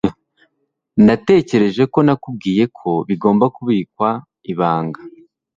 Natekereje ko nakubwiye ko bigomba kubikwa ibanga.